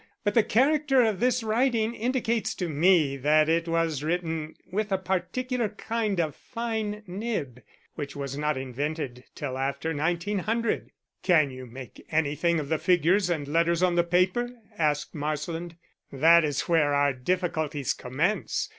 But the character of this writing indicates to me that it was written with a particular kind of fine nib, which was not invented till after 1900." "Can you make anything of the figures and letters on the paper?" asked Marsland. "That is where our difficulties commence.